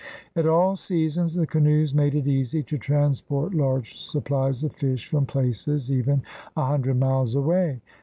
At all seasons the canoes made it easy to transport large supplies of fish from places even a hundred miles away.